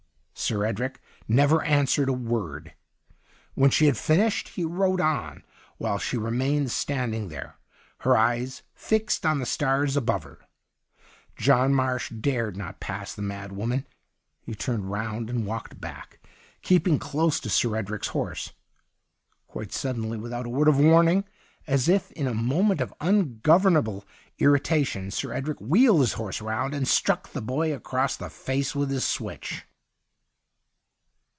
Sir Edric never answered a word. When she had finished, he rode on, while she remained standing there, her eyes fixed on the stars above her. John Marsh dared not pass the mad woman ; he turned round and walked back, keeping close to Sir Edric's horse. Quite suddenly, without a word of warning, as if in a moment of ungovernable irrita tion, Sir Edric wheeled his horse 129 THE UNDYING THING round and struck the boy across the face with his switch.